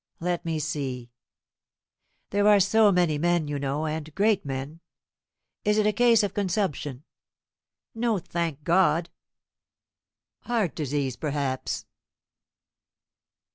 "Let me see. There are so many men, you know, and great men. Is it a case of consumption?" "No, thank God!" "Heart disease, perhaps?"